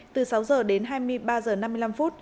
từ sáu h đến hai mươi ba h năm mươi năm phút